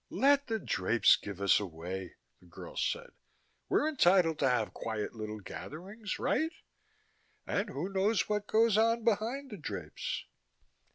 "Let the drapes give us away," the girl said. "We're entitled to have quiet little gatherings, right? And who knows what goes on behind the drapes?"